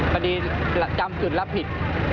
พอดีจำจุดรับผิด